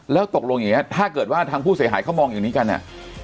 แล้วตกลงอย่างนี้ถ้าเกิดว่าทางผู้เสียหายเขามองอย่างนี้กันเนี่ย